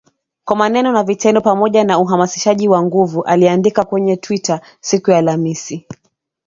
kwa maneno na vitendo, pamoja na uhamasishaji wa nguvu, aliandika kwenye Twita siku ya Alhamisi